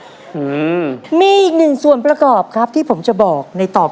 แล้ววันนี้ผมมีสิ่งหนึ่งนะครับเป็นตัวแทนกำลังใจจากผมเล็กน้อยครับ